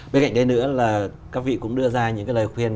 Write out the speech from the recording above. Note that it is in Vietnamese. bên cạnh đây nữa là các vị cũng đưa ra những cái lời khuyên